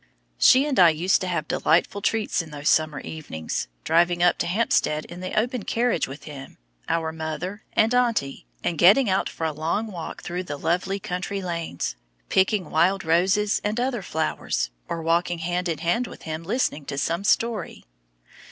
She and I used to have delightful treats in those summer evenings, driving up to Hampstead in the open carriage with him, our mother, and "Auntie," and getting out for a long walk through the lovely country lanes, picking wild roses and other flowers, or walking hand in hand with him listening to some story.